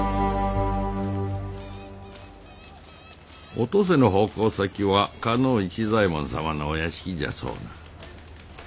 お登勢の奉公先は加納市左衛門様のお屋敷じゃそうな。